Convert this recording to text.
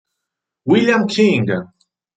William King